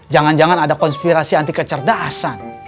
jangan jangan ada konspirasi anti kecerdasan